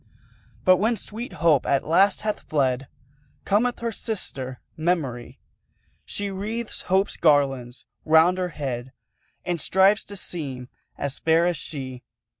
But, when sweet Hope at last hath fled, Cometh her sister, Memory; She wreathes Hope's garlands round her head, And strives to seem as fair as she.